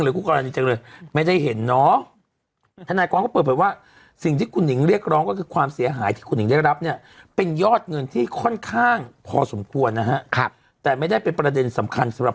ว่าภาพและสิ่งหนึ่งเรียกร้องก็คือความเสียหายที่คนยังได้รับเนี่ยเป็นยอดเงินที่ค่อนข้างพอสมควรนะครับแต่ไม่ได้เป็นประเด็นสำคัญสำหรับ